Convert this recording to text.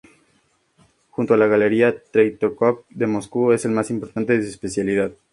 Junto a la Galería Tretiakov de Moscú es el más importante de su especialidad.